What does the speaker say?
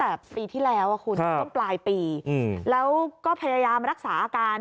แต่ปีที่แล้วคุณช่วงปลายปีแล้วก็พยายามรักษาอาการ